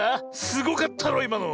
すごかったろいまの。